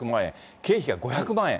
経費が５００万円。